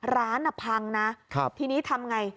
ร้านพังนะทีนี้ทำอย่างไร